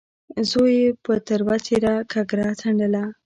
زوی يې په تروه څېره ککره څنډله.